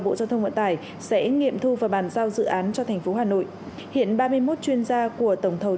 bộ giao thông vận tải sẽ nghiệm thu và bàn giao dự án cho thành phố hà nội hiện ba mươi một chuyên gia của tổng thầu